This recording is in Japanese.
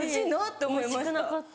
て思いました。